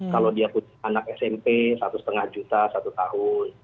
kalau dia anak smp rp satu ratus lima puluh satu tahun